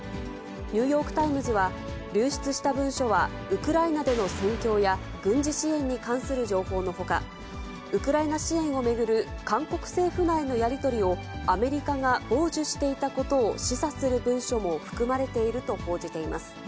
ニューヨークタイムズは、流出した文書は、ウクライナでの戦況や軍事支援に関する情報のほか、ウクライナ支援を巡る韓国政府内のやり取りを、アメリカが傍受していたことを示唆する文書も含まれていると報じています。